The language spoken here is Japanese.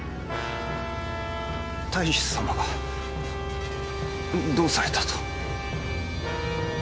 太守様がどうされたと？